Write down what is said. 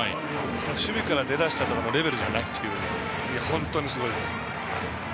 守備から出だしたとかいうレベルじゃなくて本当にすごいです。